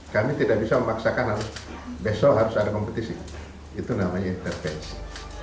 kami tidak bisa memaksakan besok harus ada kompetisi itu namanya intervensi